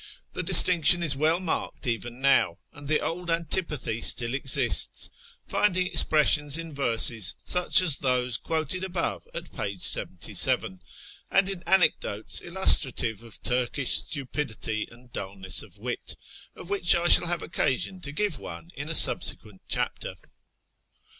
The distinction is well marked even now, and the old antipathy still exists, finding expression in verses such as those quoted above at p. 7 7, and v^ loo A YEAR AMONGST THE PERSIANS ill anecdotes illustrative of Turkish stupidity and dullness of wit, of Avhich I shall have occasion to give one in a subsequent chapter.